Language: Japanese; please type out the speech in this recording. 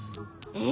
え？